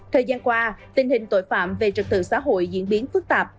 thời gian qua tình hình tội phạm về trật tự xã hội diễn biến phức tạp